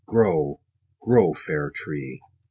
Grow, grow, fair tree